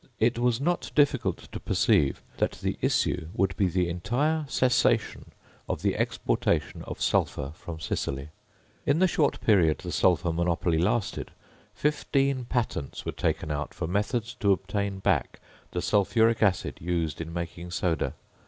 It was not difficult to perceive that the issue would be the entire cessation of the exportation of sulphur from Sicily. In the short period the sulphur monopoly lasted, fifteen patents were taken out for methods to obtain back the sulphuric acid used in making soda.